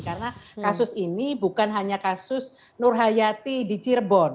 karena kasus ini bukan hanya kasus nur hayati di cirebon